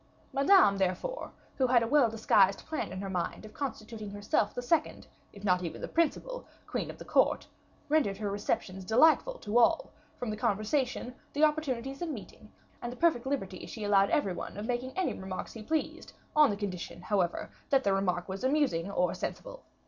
Madame, therefore, who had a well disguised plan in her mind of constituting herself the second, if not even the principal, queen of the court, rendered her receptions delightful to all, from the conversation, the opportunities of meeting, and the perfect liberty she allowed every one of making any remark he pleased, on the condition, however, that the remark was amusing or sensible.